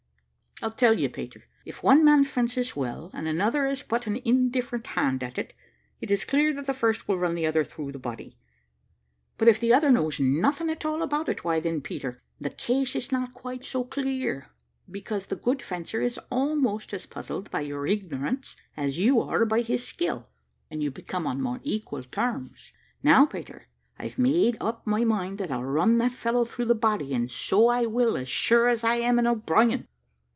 "I'll tell you, Peter. If one man fences well, and another is but an indifferent hand at it, it is clear that the first will run the other through the body; but if the other knows nothing at all about it, why, then, Peter, the case is not quite so clear: because the good fencer is almost as much puzzled by your ignorance as you are by his skill, and you become on more equal terms. Now, Peter, I've made up my mind that I'll run that fellow through the body, and so I will, as sure as I am an O'Brien."